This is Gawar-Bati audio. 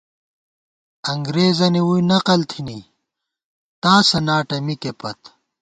انگرېزَنی ووئی نقل تھنی ، تاسہ ناٹہ مِکے پت